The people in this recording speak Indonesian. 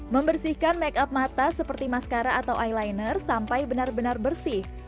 membersihkan make up mata seperti maskara atau eyliner sampai benar benar bersih